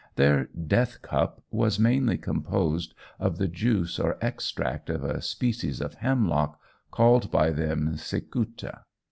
Their "death cup" was mainly composed of the juice or extract of a species of hemlock, called by them cicuta.